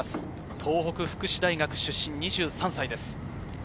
東北福祉大学出身、２３歳です。